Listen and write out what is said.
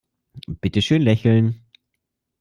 Bitte schön lächeln.